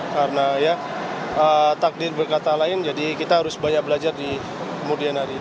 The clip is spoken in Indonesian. karena takdir berkata lain jadi kita harus banyak belajar di kemudian hari